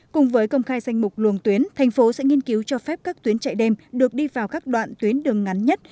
cùng với công khai danh mục luồng tuyến thành phố sẽ nghiên cứu cho phép các tuyến chạy đêm được đi vào các đoạn tuyến đường ngắn nhất